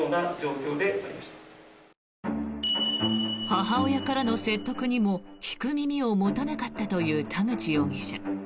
母親からの説得にも聞く耳を持たなかったという田口容疑者。